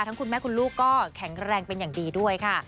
คุณแม่คุณลูกก็แข็งแรงเป็นอย่างดีด้วยค่ะ